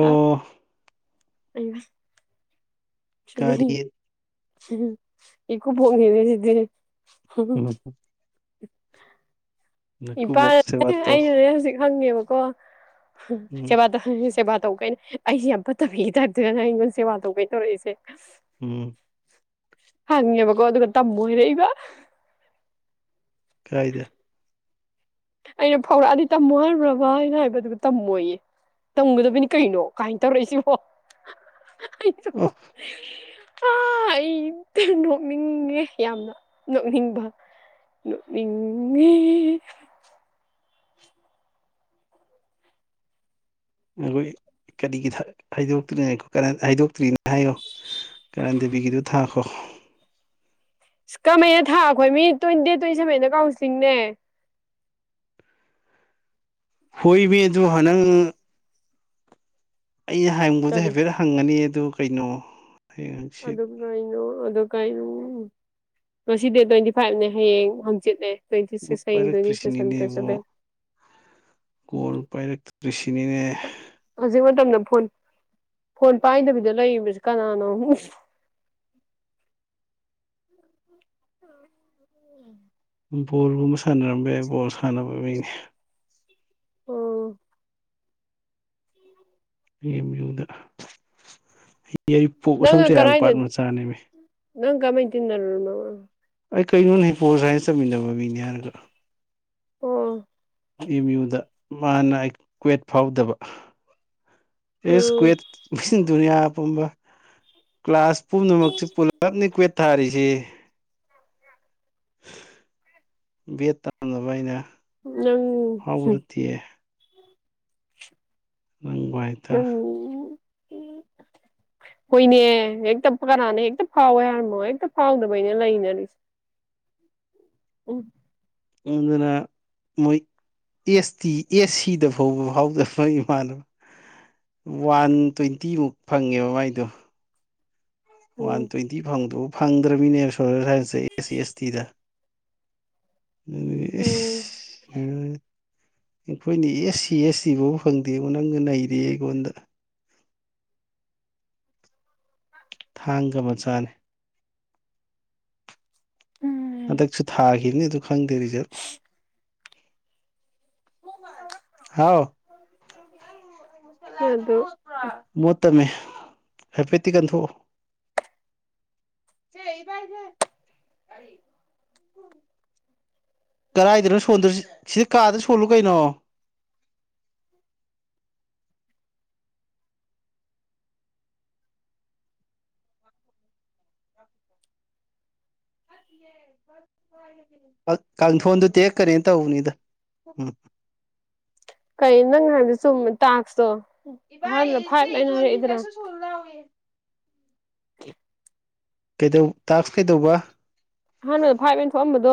ꯑꯣ ꯑꯩꯁ [unintelligible] ꯀꯔꯤ [unintelligible] ꯏꯀꯨꯕ‌ꯣꯛ ꯎꯔꯦꯅꯦ ꯁꯤꯗꯤ ꯎꯝ [unintelligible] ꯅꯀꯨꯕꯣꯛ ꯏꯄꯥꯅꯅꯦ ꯁꯦꯕꯥꯇꯣ ꯑꯩꯅꯅꯦ ꯍꯧꯖꯤꯛ ꯍꯪꯉꯦꯕꯀꯣ ꯎꯝ ꯁꯦꯕꯥ ꯁꯦꯕꯥ ꯇꯧꯕ ꯀꯩꯅꯣ ꯑꯩꯁꯦ ꯌꯥꯝ ꯐꯠꯇꯕꯕꯤꯒꯤ ꯇꯥꯏꯞꯇꯨꯗ ꯅꯪ ꯑꯩꯉꯣꯟ ꯁꯦꯕꯥ ꯇꯧꯕꯩꯅ ꯇꯧꯔꯛꯏꯁꯦ ꯎꯝ ꯍꯪꯉꯦꯕꯀ‌ꯧ ꯑꯗꯨꯒ ꯇꯝꯃꯨ ꯏꯔꯛꯏꯕ ꯀꯥꯏꯗ ꯑꯩꯅ ꯐꯥꯎꯔꯛꯑꯗꯤ ꯇꯝꯃꯣ ꯍꯥꯏꯔꯤꯕꯔꯥꯕ ꯍꯥꯏꯅ ꯍꯥꯏꯕꯗꯨꯒ ꯇꯝꯃꯣꯌꯦ ꯇꯝꯒꯗꯕꯅꯤ ꯀꯩꯅꯣ ꯀꯥꯏꯅ ꯇꯧꯔꯛꯏꯁꯤꯕꯣ [unintelligible] [unintelligible] ꯑꯣꯐ [unintelligible] ꯑ ꯑꯩ ꯅꯣꯛꯅꯤꯡꯉꯦ ꯌꯥꯝꯅ ꯅꯣꯛꯅꯤꯡꯕ ꯅ‌ꯣꯛꯅꯤꯡꯉꯤꯉꯤ ꯅꯣꯏ ꯀꯔꯤꯒꯤ ꯍꯥꯏꯗꯣꯛꯇ꯭ꯔꯤꯅ ꯍꯥꯏꯗꯣꯛꯇ꯭ꯔꯤꯅꯣ ꯍꯥꯏꯌꯣ ꯀꯔꯟ ꯗ‌ꯦꯕꯤꯒꯤꯗ‌ꯣ ꯊꯥꯈꯣ ꯑꯁ ꯀꯃꯥꯏꯅ ꯊꯥꯛꯈꯣ ꯃꯤ ꯇ꯭ꯋꯦꯟꯇꯤ ꯇ꯭ꯋꯦꯟꯇꯤ ꯁꯕ‌ꯦꯟꯗ ꯀꯥꯎꯟꯁꯤꯂꯤꯡꯅꯦ ꯍꯣꯏꯃꯤ ꯑꯗꯨꯒ ꯅꯪ ꯑꯩꯅ ꯍꯪꯕꯗꯨ ꯀꯔꯤ ꯍꯥꯏꯐꯦꯠ ꯍꯪꯉꯅꯤ ꯑꯗꯨ ꯀꯩꯅꯣ ꯍꯌꯦꯡ ꯍꯪꯆꯤꯠ ꯑꯗꯨ ꯀꯩꯅꯣ ꯑꯗ‌ꯣ ꯀꯩ ꯉꯁꯤ ꯗꯦꯠ ꯇ꯭ꯋꯦꯟꯇꯤ ꯐꯥꯏꯚꯅꯦ ꯍꯌꯦꯡ ꯍꯪꯆꯤꯠꯅꯦ ꯇꯋ‌ꯦꯟꯇꯤ ꯁꯤꯛꯁ ꯍꯌ‌ꯦꯡ ꯇꯋ‌ꯦꯟꯇꯤ ꯁꯤꯛꯁ ꯇꯌ‌ꯦꯡ ꯇꯨꯋ‌ꯦꯟꯇꯤ ꯄꯥꯏꯔꯛꯇ꯭ꯔꯤꯁꯤꯅꯤꯅꯦꯕꯣ ꯁꯕ‌ꯦꯟ ꯀꯣꯜ ꯄꯥꯏꯔꯛꯇ꯭ꯔꯤꯁꯤꯅꯤꯅꯦ ꯍꯧꯖꯤꯛ ꯃꯇꯝꯗ ꯐꯣꯟ ꯐꯣꯟ ꯄꯥꯏꯗꯕꯤꯗ ꯂꯩꯔꯤꯕꯁꯤ ꯀꯅꯥꯅꯣ [inaudible] ꯕꯣꯜꯒꯨꯝꯕ ꯁꯥꯟꯅꯔꯝꯕ ꯌꯥꯏ ꯕꯣꯜ ꯁꯥꯟꯅꯕ ꯃꯤꯅꯦ ꯑꯣ ꯑꯦꯝ ꯌꯨꯗ ꯌꯥꯏꯔꯤꯄꯣꯛ ꯑꯁꯝ ꯅꯪꯅ ꯆ ꯆꯩꯔꯥꯡ ꯀꯗꯥꯏꯗ ꯄꯥꯠ ꯃꯆꯥꯅꯦꯃꯤ ꯅꯪ ꯀꯃꯥꯏ ꯇꯤꯟꯅꯔꯨꯏꯅꯣ ꯑꯩ ꯀꯩꯅꯣ ꯍꯄꯣ ꯁꯥꯏꯟꯁ ꯆꯠꯃꯤꯟꯅꯕ ꯃꯤꯅꯤ ꯍꯥꯏꯔꯒ꯭ꯔꯥ ꯑꯣ ꯑꯦꯝ ꯌꯨꯗ ꯃꯥꯅ ꯀ꯭ꯋꯦꯠ ꯐꯥꯎꯗꯕ ꯏꯁ ꯎꯝ ꯀꯨꯋꯦꯠ ꯗꯨꯅꯤꯌꯥ ꯄꯨꯝꯕ ꯀ꯭ꯂꯥꯁ ꯄꯨꯝꯅꯃꯛꯁꯤ ꯄꯨꯂꯞꯅꯤ ꯀ꯭ꯋꯦꯠ ꯊꯥꯔꯤꯁꯤ ꯕꯦꯠ ꯇꯝꯅꯕ ꯑꯩꯅ ꯅꯪ ꯍꯨꯝ ꯇꯤꯌꯦ ꯅꯪ ꯚꯥꯏ ꯎꯝ ꯍꯣꯏꯅꯦ ꯍꯦꯛꯇ ꯀꯅꯥꯅ ꯍꯦꯛꯇ ꯐꯥꯎꯋꯦ ꯍꯥꯏꯔꯝꯃꯣ ꯍꯦꯛꯇ ꯐꯥꯎꯗꯕꯩꯅ ꯂꯩꯅꯔꯤꯁꯦ ꯎꯝ ꯑꯗꯨꯅ ꯃꯣꯏ ꯑꯦꯁ ꯇꯤ ꯑꯦꯁ ꯁꯤꯗ ꯐꯥꯎꯕ ꯐꯥꯎꯗꯕ ꯏꯃꯥꯟꯅꯕ ꯋꯥꯟ ꯇ꯭ꯋꯦꯟꯇꯤꯃꯨꯛ ꯐꯪꯉꯦꯕ ꯃꯥꯏꯗꯣ ꯋꯥꯟ ꯇ꯭ꯋꯦꯟꯇꯤ ꯐꯪꯕ ꯗꯨꯐꯥꯎ ꯐꯪꯗ꯭ꯔꯅꯤꯅꯦ ꯁꯣꯁꯦꯜ ꯁꯥꯏꯟꯁꯇ ꯑꯦꯁ ꯁꯤ ꯑꯦꯁ ꯇꯤꯗ ꯎꯝ [unintelligible] ꯑꯩꯈꯣꯏꯗꯤ ꯑꯦꯁ ꯁꯤ ꯑꯦꯁꯇꯤ ꯐꯥꯎꯕ ꯐꯪꯗꯦꯕ ꯅꯪꯅ ꯅꯩꯔ‌ꯦꯍ‌ꯦ ꯑꯩꯉꯣꯟꯗ ꯊꯥꯡꯒ ꯃꯆꯥꯅꯤ ꯎꯝ ꯍꯟꯗꯛꯁꯨ ꯊꯥꯔꯤ ꯒꯤꯕꯅꯤ ꯗꯨ ꯈꯪꯗꯦ ꯔꯤꯖꯜ ꯍꯥꯎ ꯑꯗꯨ ꯃꯣꯠꯇꯕꯅꯤ ꯍꯥꯏꯐꯦꯠꯇꯤ ꯀꯟꯊꯣꯛꯑꯣ ꯆꯦ ꯏꯕꯥꯏꯁꯦ ꯀꯥꯔꯤ ꯀꯔꯥꯏꯗꯅꯣ ꯁꯣꯟꯗꯣꯏꯁꯤ ꯁꯤꯗ ꯀꯥꯗ ꯁꯣꯜꯂꯨ ꯀꯩꯅꯣ [unintelligible] [unintelligible] ꯀꯥꯡꯊꯣꯟꯗꯨ ꯇꯦꯛꯀꯅꯤꯅ ꯇꯧꯕꯅꯤꯗ ꯎꯨꯝ ꯀꯩ ꯅꯪ ꯍꯥꯏꯕꯗꯣ ꯆꯨꯝꯃꯦ ꯇꯥꯛꯁꯇꯣ ꯑꯍꯥꯟꯕꯗ ꯏꯕꯥꯏ ꯁꯦ ꯐꯥꯏꯚ ꯑꯅ ꯍꯥꯏꯔꯛꯏꯗꯅ ꯏꯇꯣꯟꯒꯤꯗꯁꯨ ꯁꯣꯜꯂꯨ ꯂꯥꯎꯅꯦ ꯀꯩꯗꯧ ꯇꯥꯛꯁ ꯀꯩꯗꯧꯕ ꯑꯍꯥꯟꯕꯗ ꯐꯥꯏꯚ ꯍꯥꯏꯅ ꯊꯣꯛꯑꯝꯕꯗꯣ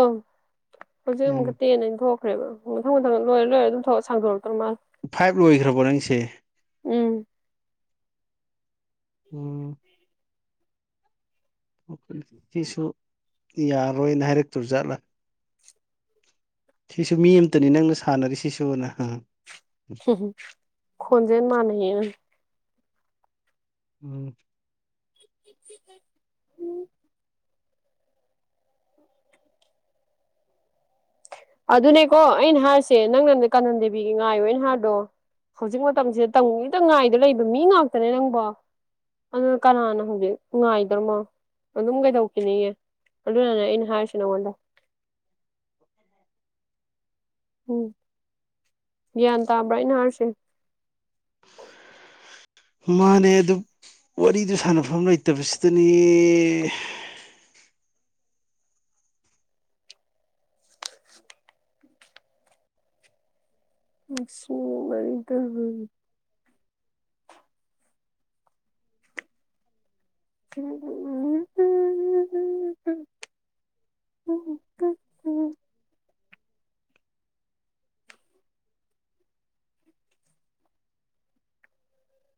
ꯍꯧꯖꯤꯛ ꯎꯝ ꯑꯃꯨꯛꯀ ꯇꯦꯟ ꯑꯅ ꯊꯣꯛ ꯈ꯭ꯔꯦꯕ ꯃꯊꯪ ꯃꯊꯪ ꯂꯣꯏꯔ ꯂꯣꯏꯔ ꯑꯗꯨꯝ ꯁꯥꯡꯗꯣꯔꯛꯇꯣ ꯃꯥꯜꯂꯦ ꯐꯥꯏꯚ ꯂꯣꯏꯈ꯭ꯔꯕꯣ ꯅꯪꯒꯤꯁꯦ ꯎꯨꯝ ꯎꯨꯝ ꯁꯤꯁꯨ ꯌꯥꯔꯣꯏꯅ ꯍꯥꯏꯔꯛꯇꯣꯏ ꯖꯥꯠꯂ ꯁꯤꯁꯨ ꯃꯤ ꯑꯃꯇꯅꯤ ꯅꯪꯅ ꯁꯥꯟꯅꯔꯤ ꯁꯤꯁꯨꯅꯥ ꯈꯣꯟꯖꯦꯟ ꯃꯥꯟꯅꯩꯌꯦꯅ ꯎꯨꯝ ꯑꯗꯨꯅꯦꯀꯣ ꯑꯩꯅ ꯍꯥꯏꯔꯤꯁꯦ ꯅꯪꯅ ꯀꯥꯅꯟ ꯗꯦꯕꯤꯒꯤ ꯉꯥꯏꯌꯣꯅ ꯍꯥꯏꯔꯤꯗꯣ ꯍꯧꯖꯤꯛ ꯃꯇꯝꯁꯦ ꯇꯪꯒꯦꯇ ꯉꯥꯏꯗ ꯂꯩꯕ ꯃꯤ ꯉꯥꯛꯇꯅꯦ ꯅꯪꯕꯣ ꯑꯗꯨꯅ ꯀꯅꯥꯅ ꯍꯧꯖꯤꯛ ꯉꯥꯏꯗ꯭ꯔꯃꯣ ꯑꯗꯨꯝ ꯀꯩꯗꯧꯈꯤꯅꯤꯌꯦ ꯑꯗꯨꯅꯅꯦ ꯑꯩꯅ ꯍꯥꯏꯔꯁꯦ ꯅꯪꯉꯣꯟꯗ ꯎꯝ ꯒ꯭ꯌꯥꯟ ꯇꯥꯕ꯭ꯔꯥ ꯑꯩꯅ ꯍꯥꯏꯔꯁꯦ ꯃꯥꯅꯦ ꯑꯗꯨ ꯋꯥꯔꯤꯗꯨ ꯁꯥꯟꯅꯐꯝ ꯂꯩꯇꯕꯁꯤꯗꯅꯦ....... [unintelligible] [unintelligible]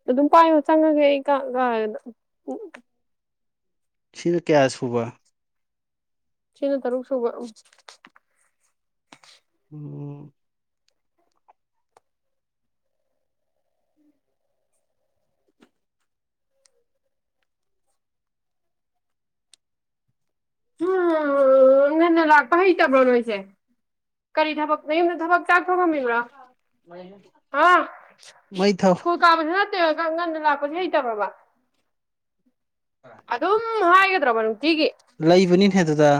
ꯑꯗꯨꯝ ꯄꯥꯏꯌꯣ ꯆꯪꯉꯒꯦ ꯑꯩ ꯀꯥ ꯀꯗ ꯎꯝ ꯁꯤꯅꯀꯌꯥ ꯁꯨꯕ ꯁꯤꯅ ꯇꯔꯨꯛꯁꯨꯕ ꯎꯝ.. ꯑꯍ.... ꯑ ꯉꯟꯅ ꯂꯥꯛꯄ ꯍꯩꯇꯕ꯭ꯔꯣ ꯅꯣꯏꯁꯦ ꯀꯔꯤ ꯊꯕꯛ ꯅꯌꯨꯝꯗ ꯊꯕꯛ ꯆꯥꯛ ꯊꯣꯡꯉꯝꯃꯤꯕ꯭ꯔꯣ ꯑꯥ ꯃꯩ ꯊꯥꯎ ꯁ꯭ꯀꯨꯨꯜ ꯀꯥꯕꯁꯨ ꯅꯠꯇꯦꯕ ꯉꯟꯅ ꯂꯥꯛꯄꯁꯤ ꯍꯩꯇꯕ꯭ꯔꯕ ꯑꯗꯨꯝ ꯍꯥꯏꯒꯗ꯭ꯔꯕ ꯅꯨꯡꯇꯤꯒꯤ ꯂꯩꯕꯅꯤꯅꯦꯍꯦ ꯑꯗꯨꯗ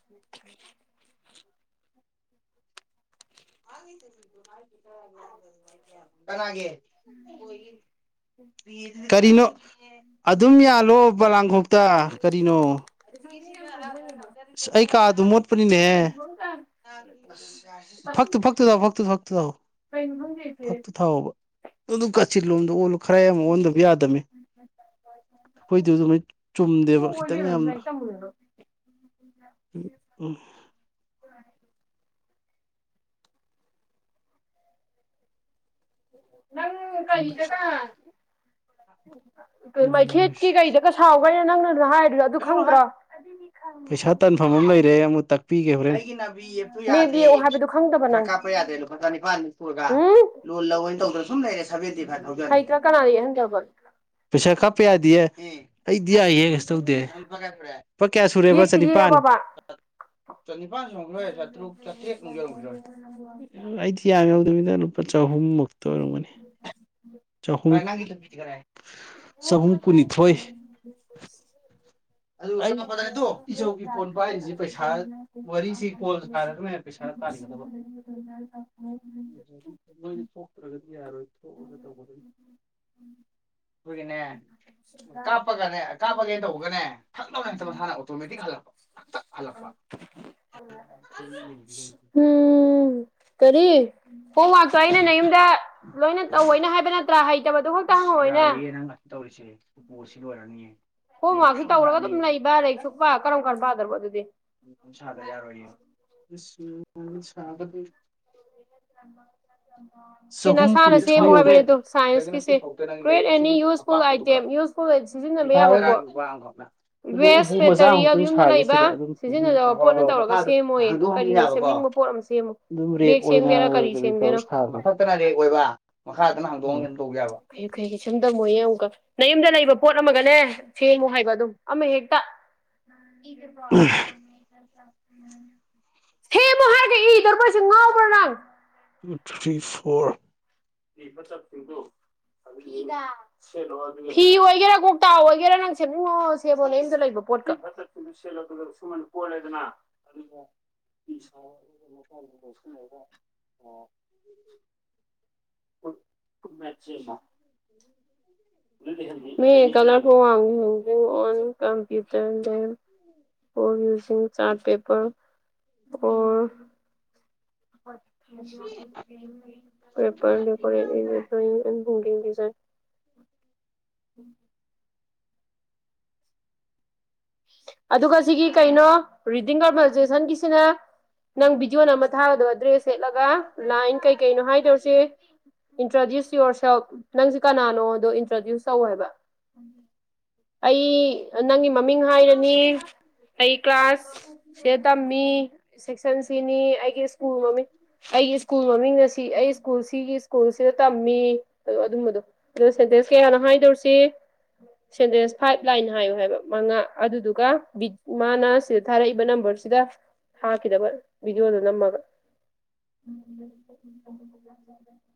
[unintelligible] [unintelligible] ꯀꯅꯥꯒꯤ ꯕꯣꯏꯒꯤ ꯀꯔꯤꯅꯣ ꯑꯗꯨꯝ ꯌꯥꯜꯂꯣ ꯄꯣꯂꯥꯡꯈꯣꯛꯇ ꯀꯔꯤꯅꯣ ꯑꯁ ꯑꯩ ꯀꯥꯗꯨ ꯃꯣꯠꯄꯅꯤꯅꯦ ꯑꯁ ꯑꯁ ꯐꯛꯇꯨ ꯐꯛꯇꯨꯗ ꯐꯛꯇꯨ ꯐꯛꯇꯨ ꯐꯥꯛꯇꯣꯛꯑꯣ ꯀꯩꯅꯣ ꯈꯪꯗꯦ ꯏꯆꯦ ꯐꯛꯇꯨ ꯊꯥꯎꯕ ꯑꯗꯨ ꯀꯥꯆꯤꯜ ꯂꯣꯝꯗ ꯑꯣꯜꯂꯨ ꯈꯔꯌꯥꯝ ꯑꯣꯟꯗꯕ ꯌꯥꯗꯝꯃꯦ ꯈꯣꯏꯗꯨ ꯅꯨꯃꯤꯠ ꯆꯨꯝꯗꯦꯕ ꯀꯣꯛꯑꯣ ꯈꯤꯇꯪ ꯏꯕꯦꯝꯃ ꯌꯥꯝꯅ ꯂꯥꯏꯔꯤꯛ ꯇꯝꯃꯨꯔꯅꯨ ꯎꯝ ꯅꯪ... ꯀꯥꯌꯤꯗꯀꯥ ꯀ ꯎꯝ ꯃꯩꯈꯦꯠꯀꯤ ꯀꯩꯗꯒ ꯁꯥꯎꯕꯩꯅꯦ ꯅꯪꯅ ꯑꯗꯨ ꯍꯥꯏꯔꯤꯗꯨ ꯂꯥꯠꯂꯨꯎꯍꯤꯏ ꯄꯩꯁꯥ ꯇꯟꯐꯝ ꯑꯃ ꯂꯩꯔꯦ ꯑꯃꯨꯇꯥꯛ ꯄꯤꯒꯦꯍꯨꯔꯦꯟ ꯑꯩꯒꯤ ꯅꯕꯤ ꯌꯦꯞꯇꯣ ꯃꯦꯞ ꯌꯥꯗ꯭ꯔꯦ ꯌꯦꯛꯑꯣ ꯍꯥꯏꯕꯗꯨ ꯈꯪꯗꯕ ꯄꯩꯁꯥ ꯅꯪ ꯀꯥꯞꯄ ꯌꯥꯗ꯭ꯔꯦ ꯂꯨꯄꯥ ꯆꯥꯅꯤꯄꯥꯟꯃꯨꯛ ꯄꯨꯔꯒ ꯂꯣꯟ ꯂꯧꯏꯟ ꯇꯧꯗꯅ ꯁꯨꯝ ꯂꯩꯔꯁ ꯍꯩꯇ꯭ꯔ ꯀꯅꯥ ꯌꯦꯛꯍꯟꯗꯕ ꯄꯩꯁꯥ ꯀꯥꯞꯄ ꯌꯥꯗꯦꯌꯦ ꯏ ꯑꯩꯗꯤ ꯌꯥꯏꯌꯦ ꯀꯩꯁꯨꯇꯧꯗꯦ ꯑꯡ ꯂꯨꯄꯥ ꯀꯌꯥ ꯁꯨꯔꯦ ꯄꯛ ꯀꯌꯥ ꯁꯨꯔꯦꯕ ꯌꯦꯛꯇꯤ ꯆꯅꯤꯄꯥꯟ ꯌꯦꯛꯑꯕꯕꯥ ꯆꯅꯤꯄꯥꯟ ꯌꯝꯈ꯭ꯔꯣꯏ ꯆꯥꯇ꯭ꯔꯨꯛ ꯆꯥꯇ꯭ꯔꯦꯠꯃꯨꯛ ꯌꯧꯔꯝꯈ꯭ꯔꯣꯏ ꯑꯩꯗꯤ ꯌꯥꯝꯃ ꯌꯧꯗꯝꯃꯤꯗ ꯂꯨꯞ ꯂꯨꯄꯥ ꯆꯥꯍꯨꯝꯃꯨꯛꯇ ꯑꯣꯏꯔꯝꯒꯅꯤ ꯑꯍ ꯆꯍꯨꯝ ꯀꯩ ꯅꯪꯒꯤ ꯇꯨꯄꯤ ꯗꯤ ꯀꯔꯥꯏ ꯆꯍꯨꯝꯀꯨꯟꯅꯤꯊꯣꯏ ꯎꯟ ꯎꯁ ꯁꯦ ꯑꯗꯨ ꯑꯩ ꯇꯥꯉꯛꯄꯗꯅꯦꯇꯨ ꯏꯆꯧꯒꯤ ꯐꯣꯟ ꯄꯥꯏꯔꯤꯁꯤ ꯄꯩꯁꯥ ꯋꯥꯔꯤꯁꯤ ꯀꯣꯜ ꯁꯥꯔꯒꯅꯦ ꯄꯩꯁꯥ ꯇꯥꯔꯤꯒꯗꯕ ꯅꯣꯏꯗꯤ ꯊꯣꯛꯇ꯭ꯔꯒꯗꯤ ꯌꯥꯔꯣꯏ ꯇꯣꯛꯑꯒ ꯇꯦꯕꯒꯤ ꯎꯝ ꯈꯣꯏꯒꯤꯅꯦ ꯀꯥꯞꯄꯒꯅꯦ ꯀꯥꯞꯄꯒꯦ ꯇꯧꯕꯒꯅꯦ ꯊꯛꯂꯧꯅ ꯍꯦꯇꯥꯂꯣꯟ ꯍꯟꯅꯥ ꯑꯥꯎꯇꯣꯃꯦꯇꯤꯛ ꯍꯜꯛꯄ ꯊꯥꯛ ꯍꯜꯛꯄꯥ ꯑꯇꯨꯟ ꯇꯨꯃꯗꯤꯡꯉꯤꯅꯤꯀꯥꯏꯅꯣ ꯎꯝ.... ꯀꯔꯤ ꯍꯣꯝꯋꯔꯛꯇꯣ ꯑꯩꯅ ꯅ ꯌꯨꯝꯗ ꯂꯣꯏꯅ ꯇꯧꯑꯣꯅ ꯍꯥꯏꯕ ꯅꯠ ꯆ꯭ꯔꯥ ꯍꯩꯇꯕꯗꯣꯒꯥꯛꯇꯪꯉꯣꯏꯅꯥ ꯇꯧꯔꯤꯅꯤ ꯎꯄꯨ ꯑꯁꯤ ꯂꯣꯏꯔꯅꯤꯌꯦ ꯍꯣꯝꯋꯔꯛꯁꯨ ꯇꯧꯔꯒ ꯑꯗꯨꯝ ꯂꯩꯕ ꯂꯥꯏꯔꯤꯛ ꯁꯨꯄ ꯀꯔꯝ ꯀꯔꯝꯕ ꯄꯥꯗ꯭ꯔꯕꯣ ꯑꯗꯨꯗꯤ ꯎꯟ ꯁꯥꯗ ꯑ ꯌꯥꯔꯣꯏꯌꯦ ꯔꯤꯁ ꯅꯤꯍ ꯁꯥꯕꯗꯤ ꯑꯦꯡꯃꯪ ꯁꯤꯅ ꯆꯤꯝꯄꯡ ꯁꯤ ꯆꯍꯨꯝ ꯅꯁꯥꯅ ꯁꯦꯝꯃꯨ ꯀꯨꯟꯅꯤꯊꯣꯏ ꯌꯧꯔꯦ ꯍꯥꯏꯕꯅꯤꯗꯣ ꯁꯥꯏꯟꯁꯀꯤꯁꯦ ꯍꯨ꯭ꯔꯏꯠ ꯑꯦꯅꯤ ꯌꯨꯁꯐꯨꯜ ꯑꯥꯏꯇꯦꯝ ꯌꯨꯁ ꯐꯨꯜꯑꯣꯏ ꯁꯤꯖꯤꯟꯅꯕ ꯌꯥꯕ ꯄꯣꯠ ꯑꯗꯩ ꯋꯦꯁ ꯎꯄꯨ ꯃꯆꯥ ꯃꯦꯇꯔꯤꯌꯦꯜ ꯑꯃꯨꯛꯇꯪ ꯌꯨꯝꯗ ꯁꯥꯒꯦ ꯂꯩꯕ ꯁꯤꯗ ꯑꯗꯨꯝ ꯁꯤꯖꯤꯟꯅꯗꯕ ꯄꯣꯠꯅ ꯇꯧꯔꯒ ꯁꯦꯝꯃꯣꯌꯦ ꯀꯔꯤꯅꯣ ꯁꯦꯝꯅꯤꯡꯕ꯫ ꯄꯣꯠ ꯑꯝ ꯁ‌ꯦꯝꯃꯨ꯫ ꯑꯗꯨꯝ ꯔꯦꯛ ꯑꯣꯏꯅ ꯇꯧꯔ ꯃꯊꯛꯇꯅ ꯔꯦꯛ ꯑꯣꯏꯕ ꯃꯈꯥꯗꯅ ꯍꯥꯡꯗꯣꯛ ꯍꯥꯡꯖꯤꯟ ꯇꯧꯌꯥꯕ꯫ [unintelligible] ꯁꯝꯗꯝꯃꯣ ꯌꯦꯃꯨꯛꯀ꯫ ꯅꯌꯨꯝꯗ ꯂꯩꯕ ꯄꯣꯠ ꯑꯃꯒꯅꯦ ꯁꯦꯡꯃꯨ ꯍꯥꯏꯕ ꯑꯗꯨꯝ ꯑꯃ ꯍꯦꯛꯇ꯫ [unintelligible] ꯍꯦꯃꯨ ꯍꯥꯏꯔꯒ ꯏꯗꯧꯔꯤꯕꯁꯤ ꯉꯥꯎꯕ꯭ꯔꯥ ꯅꯪ꯫ Two three four. ꯏꯗ꯫ ꯐꯤ ꯑꯣꯏꯒꯦꯔꯥ ꯀꫭꯛꯇ ꯑꯣꯏꯒꯦꯔ ꯅꯪ ꯁꯦꯝꯅꯤꯡꯕ ꯑꯝꯁꯦꯝꯃꫭ ꯅꯌꯨꯝꯗ ꯂꯩꯕ ꯄꯣꯠꯀ꯫ ꯀꯣꯜꯂ‌ꯦꯗꯅ꯫ [unintelligible] [unintelligible] ꯫ [inaudible] ꯃ ꯀꯂꯔ ꯐ ꯋꯥ ꯍꯧ꯫ [unintelligible] ꯀꯝꯄ꯭ꯌꯨꯇꯔ ꯂ‌ꯦꯞ ꯐꫭꯔ ꯌꯨꯖꯤꯡ ꯆꯥꯔ ꯄꯦꯄꯔ꯫ ꯑꯣ꯫ Paper decorate. [unintelligible] ꯑꯗꯨꯒ ꯁꯤꯒꯤ ꯀꯩꯅꯣ ꯔꯤꯗꯤꯡ ꯀꯝꯐꯔꯖꯦꯁꯟꯒꯤꯁꯤꯅꯦ꯫ ꯅꯪ ꯕꯤꯗꯤꯌꫭ ꯅꯝꯃ ꯊꯥꯒꯗꯕ ꯗ꯭ꯔꯦꯁ ꯁꯦꯠꯂꯒ ꯂꯥꯏꯟ ꯀꯩ ꯀꯩꯅꯣ ꯍꯥꯏꯗꯧꯁꯤ꯫ ꯏꯟꯇ꯭ꯔꯗ꯭ꯌꯨꯁ ꯌꯣꯔ ꯁꯦꯜꯞ ꯅꯪꯁꯦ ꯀꯅꯥꯅꯣꯗꯣ ꯏꯟꯇ꯭ꯔꯗ꯭ꯌꯨꯁ ꯇꯧꯍꯥꯏꯕ꯫ ꯑꯩ ꯅꯪꯒꯤ ꯃꯃꯤꯡ ꯍꯥꯏ꯫ ꯅꯤ ꯑꯩ ꯀ꯭ꯂꯥꯁꯁꯤꯗ ꯇꯝꯃꯤ꯫ ꯁꯦꯛꯁꯟ ꯁꯤꯅꯤ ꯑꯩꯒꯤ ꯁ꯭ꯀꯨꯜ ꯃꯃꯤꯡ꯫ ꯑꯩꯒꯤ ꯁ꯭ꯀꯨꯜ ꯃꯃꯤꯡꯅ ꯁꯤ ꯑꯩ ꯁ꯭ꯀꯨꯜ ꯁꯤꯒꯤ ꯁ꯭ꯀꯨꯜꯁꯤꯗ ꯇꯝꯃꯤ ꯑꯗꯨ ꯑꯗꯨꯝꯕꯗꯣ꯫ ꯑꯗ ꯁꯦꯟꯗꯦꯟꯁ ꯀꯌꯥꯅꯣ ꯍꯥꯏꯗꯧꯔꯤꯁꯤ ꯁꯦꯟꯗꯦꯟꯁ ꯐꯥꯏꯚ ꯂꯥꯏꯟ ꯍꯥꯏꯌꯨ ꯍꯥꯏꯕ ꯃꯉꯥ꯫ ꯑꯗꯨꯗꯨꯒꯕꯤ ꯃꯥꯅ ꯁꯤꯗ ꯊꯥꯔꯛꯏꯕ ꯅꯝꯕꯔꯁꯤꯗ꯫ ꯊꯥꯈꯤꯗꯧꯕ ꯚꯤꯗꫭꯗꫭ ꯅꯝꯃꯒ꯫ ꯫ [unintelligible]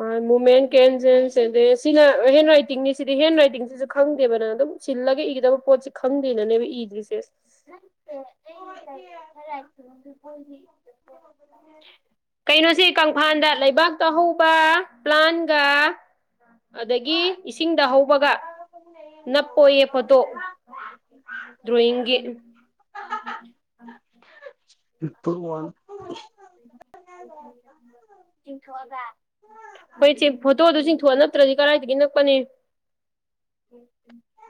ꯃꯥꯟ ꯃꯨꯃ‌ꯦꯟ ꯀ‌ꯦꯟ ꯆ‌ꯦꯟ ꯑꯗ‌ꯦꯁ꯫ [unintelligible] ꯁꯤꯅ ꯍꯦꯟ ꯔꯥꯏꯇꯤꯡꯅꯤ ꯁꯤꯗꯤ ꯍꯦꯟ ꯔꯥꯏꯇꯤꯡꯁꯤꯁꯨ ꯈꯪꯗꯦꯕ ꯅꯪ ꯑꯗꯨꯝ ꯁꯤꯜꯂꯒ ꯏꯒꯗꯕ ꯄꯣꯠꯁꯦ꯫ ꯈꯪꯗꯦꯅꯅꯦꯕ ꯏꯗ꯭ꯔꯤꯁꯦ꯫ ꯑꯣꯏ ꯊꯤꯌ‌ꯦ꯫ [unintelligible] ꯀꯩꯅꯣꯁꯦ ꯀꯪꯐꯥꯥꯟꯗ ꯂꯩꯕꯥꯛꯇ ꯍꯧꯕ ꯄ꯭ꯂꯥꯟꯒ꯫ ꯑꯗꯒꯤ ꯏꯁꯤꯡꯗ ꯍꯧꯕꯒ ꯅꯞꯄꫭꯌꯦ ꯐꯣꯠꯇꯣ꯫ ꯗ꯭ꯔꯣꯌꯤꯡꯒꯤ꯫ [unintelligible] ꯫ [unintelligible] ꯫ [unintelligible] ꯆꯤꯡꯊꯣꯛꯑꯒ ꯍꫭꯏ ꯐꯣꯇꯣꯗꯨ ꯆꯤꯡꯊꯣꯛꯑ ꯅꯠꯇ꯭ꯔꯗꯤ ꯀꯗꯥꯥꯏꯗꯒꯤ ꯅꯛꯀꯅꯤ꯫ ꯫ [inaudible]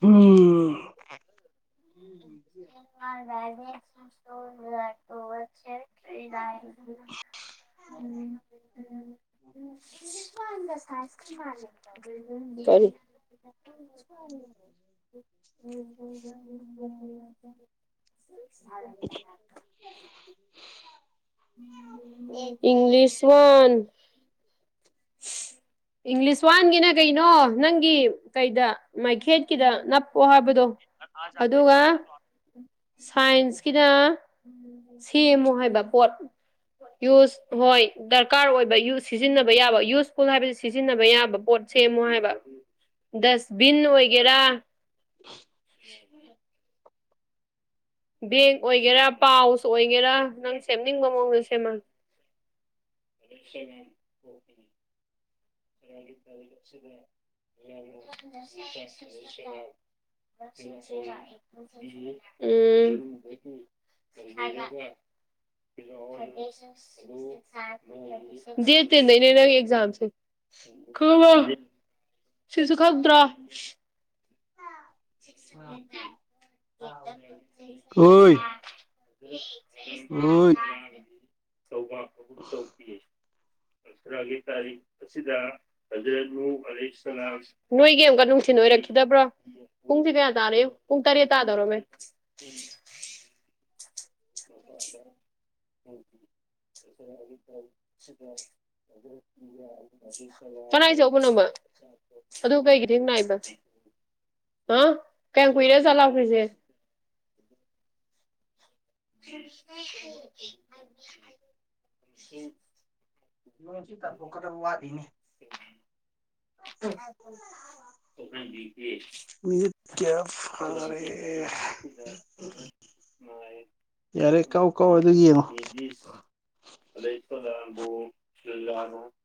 ꯍꯥ꯫ [unintelligible] [unintelligible] ꯫ [unintelligible] ꯫ [unintelligible] ꯀꯔꯤ꯫ [unintelligible] ꯫ [unintelligible] [unintelligible] ꯫ [unintelligible] English one. [unintelligible] ꯫ [unintelligible] ꯏꯪꯂꯤꯁ ꯋꯥꯟꯒꯤꯅ ꯀꯩꯅꯣ ꯅꯪꯒꯤ ꯀꯩꯗ ꯃꯩꯈꯦꯠꯀꯤꯗ ꯅꯞꯄꯣ ꯍꯥꯏꯕꯗꯣ꯫ ꯑꯗꯨꯒ ꯁꯥꯏꯟꯁꯀꯤꯅ꯫ ꯁꯦꯝꯃꯣ ꯍꯥꯏꯕ ꯄꯣꯠ ꯌꯨꯁ ꯍꯣꯏ ꯗꯔꯀꯥꯔ ꯑꯣꯏꯕ ꯌꯨ ꯁꯤꯖꯤꯟꯅꯕ ꯌꯥꯕ ꯌꯨꯁꯐꯨꯜ ꯍꯥꯏꯕꯁꯤ ꯁꯤꯖꯤꯟꯅꯕ ꯌꯥꯕ ꯄꯣꯠ ꯁꯦꯝꯃꯨ ꯍꯥꯏꯕ ꯗꯁꯕꯤꯟ ꯑꯣꯏꯒꯦꯔꯥ [unintelligible] [unintelligible] ꯕꯦꯛ ꯑꯣꯏꯒꯦꯔꯥ ꯄꯥꯎꯁ ꯑꯣꯏꯒꯦꯔꯥ ꯅꯪ ꯁꯦꯝꯅꯤꯡꯕ ꯃꯑꯣꯡꯗ ꯁꯦꯝꯃꯒꯦ ꯂꯩꯁꯦ [unintelligible] [unintelligible] ꯁꯦ [unintelligible] ꯎꯝ [unintelligible] ꯗ ꯇꯤꯟꯗꯅꯦꯅ ꯑꯦꯖꯝꯁ [unintelligible] ꯍ ꯍ [inaudible] ꯁꯤꯁꯨ ꯈꯪꯗ꯭ꯔꯣ ꯠꯇ ꯑꯣꯏ [unintelligible] ꯁꯧ ꯎ ꯇ ꯎꯤ [unintelligible] ꯆꯁ꯭ꯔꯥꯒꯤ ꯇꯔꯤ [unintelligible] ꯅꯣꯏꯒꯤ ꯑꯃꯨꯛꯀ ꯅꯨꯡꯊꯤꯟ ꯑꯣꯏꯔꯛꯈꯤꯗꯕ꯭ꯔꯣ ꯄꯨꯡꯁꯦ ꯀꯌꯥ ꯇꯥꯔꯦ ꯄꯨꯡ ꯇꯔꯦꯠ ꯇꯥꯗꯧꯔꯝꯃꯦ [unintelligible] [unintelligible] [unintelligible] [unintelligible] ꯀꯅꯥꯏ ꯆꯧꯕꯅꯣꯕ ꯑꯗꯨ ꯀꯩꯒꯤ ꯊꯦꯡ ꯅꯥꯏꯕ ꯑ ꯀꯌꯥꯝ ꯀꯨꯏꯔꯦ ꯑꯖꯠꯂꯥꯎꯈ꯭ꯔꯤꯁꯦ ꯁꯤ [unintelligible] ꯌꯣꯟꯁꯤ ꯇꯥꯟꯊꯣꯛꯀꯗꯕ ꯋꯥꯠꯂꯤꯅꯤ ꯁꯍ [unintelligible] ꯃꯤꯅꯤꯠ ꯀꯌꯥ ꯐꯥꯔꯦ ꯌꯥꯔꯦ ꯀꯥꯎ ꯀꯥꯎ ꯑꯗꯨ ꯌꯦꯡꯉꯣ [unintelligible]